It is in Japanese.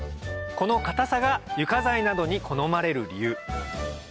この堅さが床材などに好まれる理由